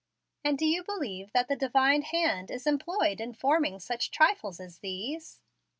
"And do you believe that the Divine hand is employed in forming such trifles as these?"